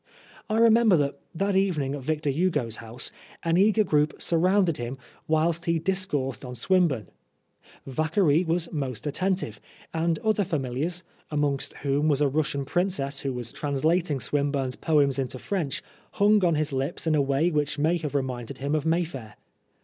I remember that, that evening at Victor Hugo's house, an eager group surrounded him whilst he discoursed on Swinburne. Vacquerie was most attentive, and other familiars, amongst whom was a Russian princess who was translating 17 2 Oscar Wilde Swinburne's poems into French, hung on his lips in a way which may have reminded him of Mayfair.